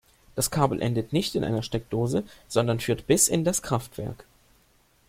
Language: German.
Das Kabel endet nicht in einer Steckdose, sondern führt bis in das Kraftwerk.